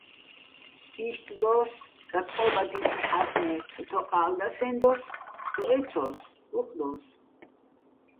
იშტ დო́ს, დატყობადიჩეჰ̦ას, მე ცოთოყალ და სეჼ დოს, სო ეცო́ს, უ̂ხ დო́ს.